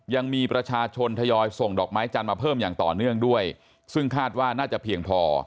ยังมีประชาชนทยอยส่งดอกไม้จันทร์มาเพิ่มอย่างต่อเนื่องด้วยซึ่งคาดว่าน่าจะเพียงพอ